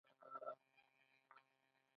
هغه د کور کړکۍ ورو خلاصه کړه.